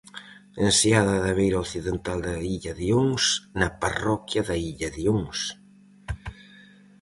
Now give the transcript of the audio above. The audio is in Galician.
Enseada da beira occidental da illa de Ons, na parroquia da Illa de Ons.